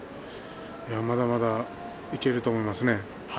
まだまだいけると思いますね。